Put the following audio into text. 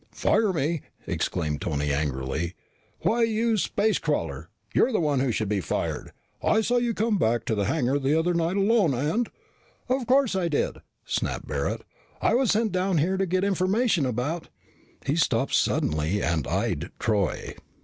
"Fire me!" exclaimed Troy angrily. "Why, you space crawler, you're the one who should be fired. I saw you come back to the hangar the other night alone and...." "Of course I did!" snapped Barret. "I was sent down here to get information about " He stopped suddenly and eyed Troy.